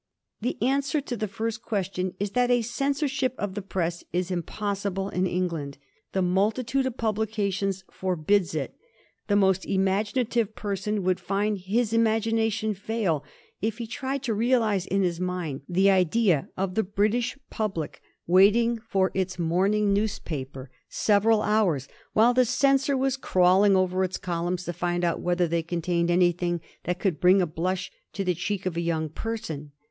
The answer to the first question is that a censorship of the press is impossible in England. The multitude of publica tions forbids it. The most imaginative person would find his imagination fail him if he tried to realize in his mind the idea of the British public waiting for its morning VOL IT. — 5 98 A HISTORY OF THE FOUR GEORGES. CH.zzyiL newspaper several hours while the censor was crawling over its columns to find out whether they contained any« thing that could bring a blush to the cheek of a young person.